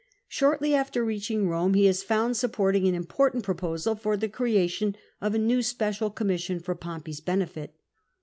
Shortly after reaching Borne he is found supporting an important proposal for the creation of a new special com mission for Pompey's benefit.